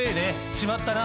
決まったな。